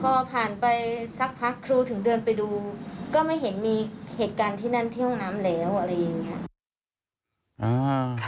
พอผ่านไปสักพักครูถึงเดินไปดูก็ไม่เห็นมีเหตุการณ์ที่นั่นที่ห้องน้ำแล้วอะไรอย่างนี้ค่ะ